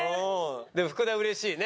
でも福田嬉しいね。